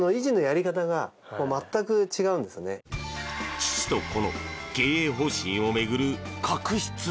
父と子の経営方針を巡る確執。